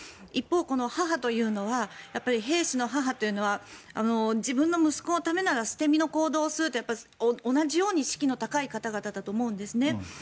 一方、母というのは兵士の母というのは自分の息子のためなら捨て身の行動をすると同じように士気の高い方々だと思うんですね。